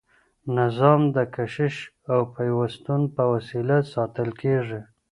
نظام د کشش او پیوستون په وسیله ساتل کیږي.